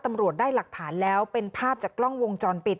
ตำรวจได้หลักฐานแล้วเป็นภาพจากกล้องวงจรปิด